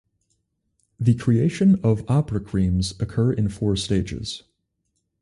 The creation of opera creams occurs in four stages.